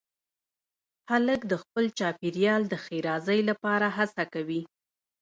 هلک د خپل چاپېریال د ښېرازۍ لپاره هڅه کوي.